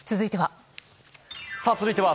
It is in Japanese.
続いては。